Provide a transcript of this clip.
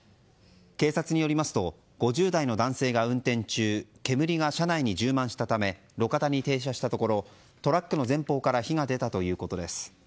警察によりますと５０代の男性が運転中煙が車内に充満したため路肩に停車したところトラックの前方から火が出たということです。